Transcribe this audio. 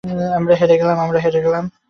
আমরা হেরে গেলাম।